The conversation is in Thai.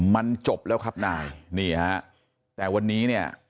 มันจบแล้วครับนายนี่ฮะแต่วันนี้เนี่ย